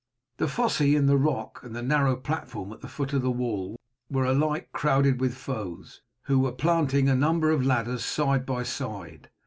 The fosse in the rock and the narrow platform at the foot of the wall were alike crowded with foes, who were planting a number of ladders side by side.